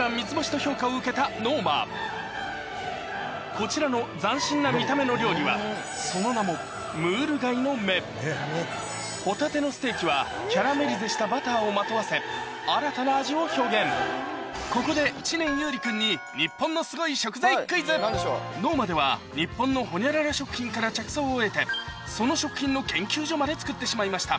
こちらの斬新な見た目の料理はその名もはキャラメリゼしたバターをまとわせ新たな味を表現ここで知念侑李君にｎｏｍａでは日本のホニャララ食品から着想を得てその食品の研究所までつくってしまいました